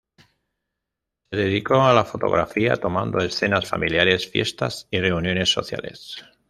Se dedicó a la fotografía tomando escenas familiares, fiestas y reuniones sociales.